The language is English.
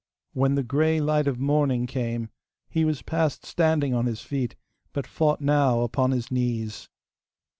When the grey light of morning came, he was past standing on his feet, but fought now upon his knees.